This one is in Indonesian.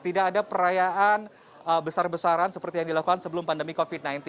tidak ada perayaan besar besaran seperti yang dilakukan sebelum pandemi covid sembilan belas